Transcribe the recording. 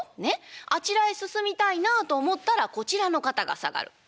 あちらへ進みたいなあと思ったらこちらの肩が下がる。